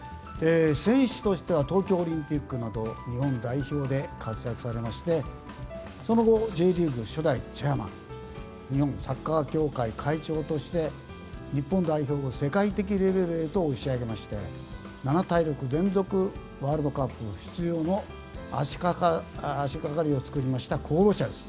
選手としては東京オリンピックなど日本代表で活躍されましてその後、Ｊリーグ初代チェアマン日本サッカー協会会長として日本代表を世界的レベルへと押し上げまして７大会連続ワールドカップ出場への足がかりを作りました功労者です